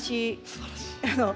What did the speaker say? すばらしい。